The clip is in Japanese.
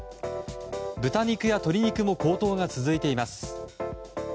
豚肉や鶏肉も高騰が続いています。